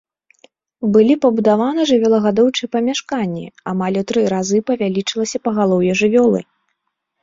Былі пабудаваны жывёлагадоўчыя памяшканні, амаль у тры разы павялічылася пагалоўе жывёлы.